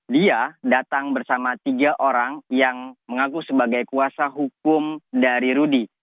dia datang bersama tiga orang yang mengaku sebagai kuasa hukum dari rudy